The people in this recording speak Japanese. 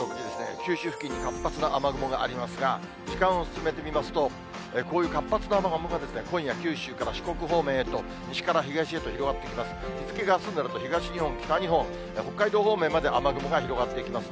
九州付近に活発な雨雲がありますが、時間を進めてみますと、こういう活発な雨雲が、今夜九州から四国方面へと、西から東へと広がっていきます。